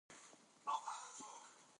زراعت د افغانستان د صادراتو مهمه برخه ده.